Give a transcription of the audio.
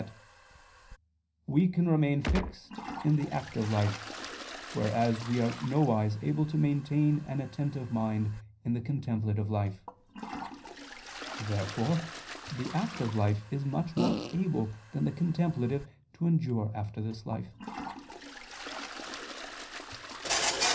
that "we can remain fixed in the active life, whereas we are nowise able to maintain an attentive mind in the contemplative life." Therefore the active life is much more able than the contemplative to endure after this life.